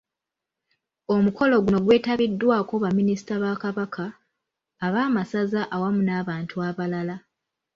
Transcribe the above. Omukolo guno gwetabiddwako baminisita ba Kabaka, ab'amasaza awamu n’abantu abalala.